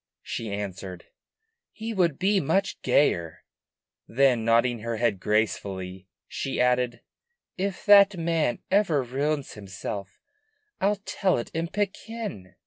she answered, "he would be much gayer." Then, nodding her head gracefully, she added, "If that man ever ruins himself I'll tell it in Pekin!